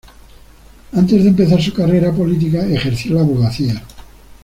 Antes de empezar su carrera política, ejerció la abogacía.